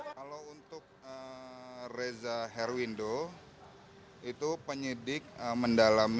kalau untuk reza herwindo itu penyidik mendalami